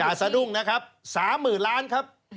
สะดุ้งนะครับ๓๐๐๐ล้านครับ